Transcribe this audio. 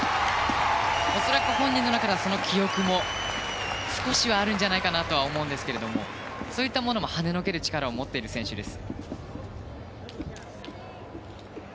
恐らく本人の中では、その記憶も少しはあるかと思いますがそういったものもはねのける力を持っている選手です。